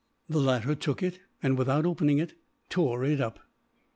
The latter took it and, without opening it, tore it up.